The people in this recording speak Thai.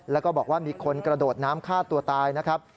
แล้วก็บอกว่ามีคนกระโดดน้ำฆ่าตัวตายนะครับ